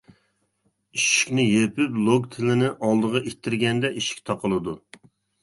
ئىشىكنى يېپىپ لوك تىلىنى ئالدىغا ئىتتەرگەندە ئىشىك تاقىلىدۇ.